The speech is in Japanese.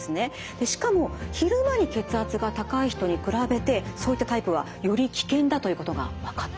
しかも昼間に血圧が高い人に比べてそういったタイプはより危険だということが分かってきたんです。